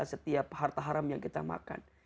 setiap harta haram yang kita makan